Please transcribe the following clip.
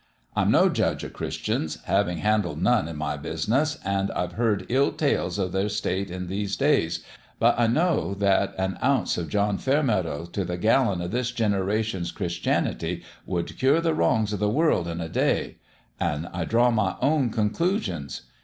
I'm no judge o' Christians, havin' handled none in my business ; an' I've heard ill tales o' their state in these days ; but I know that an ounce o' John Fairmeadow t' the gallon o' this genera 203 204 That MEASURE of LOfE tion's Christianity would cure the wrongs o' the world in a day an' I draw my own conclusions.